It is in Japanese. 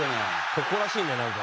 「誇らしいねなんか」